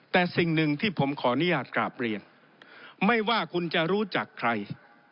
แต่สิ่งหนึ่งที่ผมขออนุญาตกราบเรียนไม่ว่าคุณจะรู้จักใคร